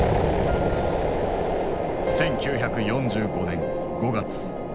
１９４５年５月。